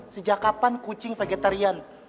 sejak kapan kucing vegetarian